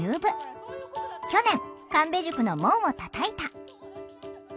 去年神戸塾の門をたたいた。